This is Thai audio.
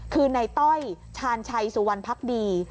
คือในต้อยชาญชัยสุวรรณพักดี